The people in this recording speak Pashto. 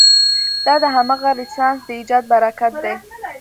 دا د همغه رنسانس د ایجاد براکت دی.